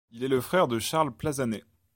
Il est le frère de Charles Plazanet.